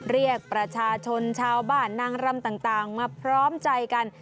เรียกประชาชนชาวบ้านนางรำต่างมาพร้อมใจกัน